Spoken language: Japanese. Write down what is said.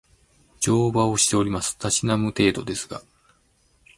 乗馬をしております。たしなむ程度ですが